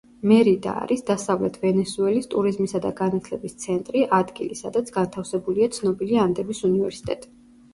მერიდა არის დასავლეთ ვენესუელის ტურიზმისა და განათლების ცენტრი, ადგილი, სადაც განთავსებულია ცნობილი ანდების უნივერსიტეტი.